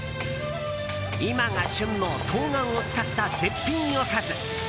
今が旬の冬瓜を使った絶品おかず。